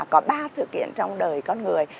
có ba sự kiện trong đời con người